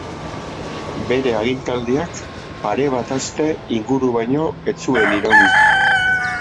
Bere agintaldiak pare bat aste inguru baino ez zuen iraun.